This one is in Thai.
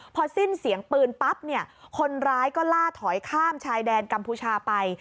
พอสิ้นเสียงปืนปั๊บเนี่ยคนร้ายก็ล่าถอยข้ามชายแดนกัมพูชาไป